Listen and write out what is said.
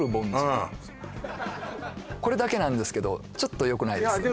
うんこれだけなんですけどちょっと良くないですか？